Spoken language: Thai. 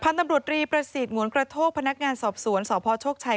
พันธุ์ตำรวจรีประสิทธิ์งวลกระโทษพนักงานสอบสวนสพชกชัย